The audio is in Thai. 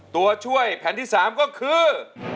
ตัวช่วยแผ่นที่๓ก็คือ